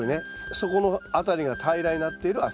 底の辺りが平らになっている空き缶。